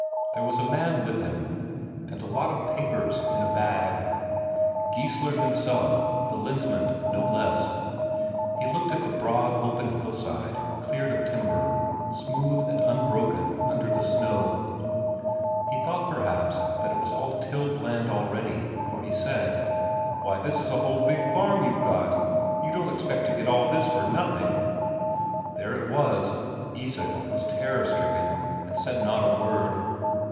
There was a man with him, and a lot of papers in a bag. Geissler himself, the Lensmand, no less. He looked at the broad open hillside, cleared of timber, smooth and unbroken under the snow; he thought perhaps that it was all tilled land already, for he said: "Why, this is a whole big farm you've got. You don't expect to get all this for nothing?" There it was! Isak was terror stricken and said not a word.